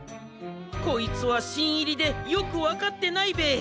こいつはしんいりでよくわかってないべえ。